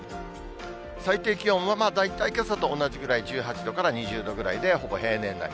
最低気温は大体けさと同じくらい、１８度から２０度ぐらいでほぼ平年並み。